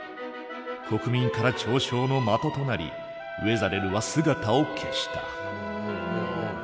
国民から嘲笑の的となりウェザレルは姿を消した。